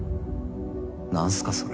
何すかそれ。